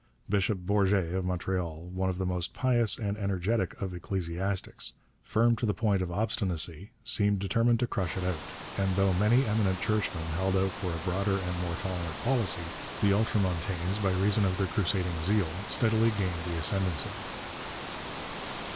Bishop Bourget of Montreal, one of the most pious and energetic of ecclesiastics, firm to the point of obstinacy, seemed determined to crush it out. And though many eminent churchmen held out for a broader and more tolerant policy, the ultramontanes, by reason of their crusading zeal, steadily gained the ascendancy.